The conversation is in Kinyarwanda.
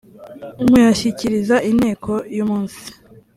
muyashyikiriza inteko uyumunsi.